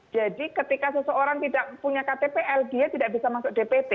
jadi ketika seseorang tidak punya ktpl dia tidak bisa masuk dpt